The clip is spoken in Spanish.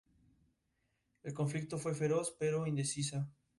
El conflicto fue feroz, pero indecisa.